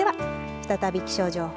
再び気象情報。